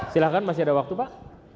silahkan masih ada waktu pak